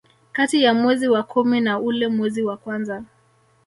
Kati ya mwezi wa kumi na ule mwezi wa kwanza